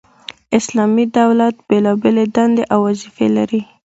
اسلامي دولت بيلابېلي دندي او وظيفي لري،